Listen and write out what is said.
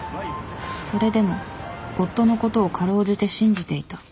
それでも夫のことをかろうじて信じていた。